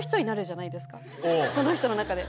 その人の中で。